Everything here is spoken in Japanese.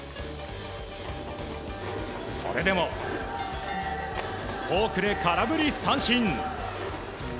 それでも、フォークで空振り三振。